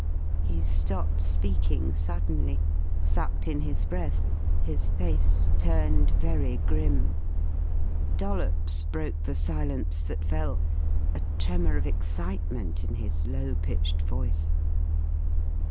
He stopped speaking suddenly, sucked in his breath, his face turned very grim. Dollops broke the silence that fell, a tremour of excitement in his low pitched voice.